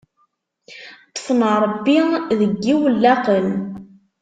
Ṭfen Ṛebbi deg yiwellaqen.